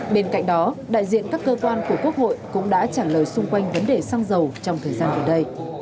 bên cạnh đó đại diện các cơ quan của quốc hội cũng đã trả lời xung quanh vấn đề xăng dầu trong thời gian gần đây